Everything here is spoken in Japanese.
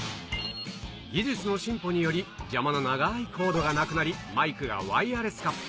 技術の進歩により、邪魔な長ーいコードがなくなり、マイクがワイヤレス化。